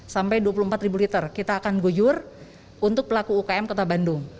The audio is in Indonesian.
sampai dua puluh empat liter kita akan goyur untuk pelaku umkm kota bandung